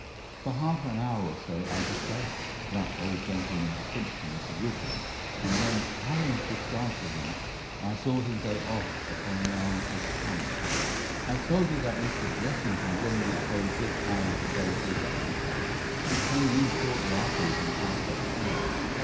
"'For half an hour or so I discussed that old gentleman's symptoms with him, and then, having prescribed for him, I saw him go off upon the arm of his son. "I have told you that Mr. Blessington generally chose this hour of the day for his exercise. He came in shortly afterwards and passed upstairs.